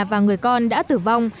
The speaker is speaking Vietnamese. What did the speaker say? và người con đã tử vong